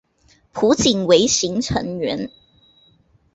浦井唯行成员。